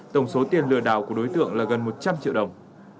tổng số tiền lừa đảo của đối tượng là gần một trăm linh triệu đồng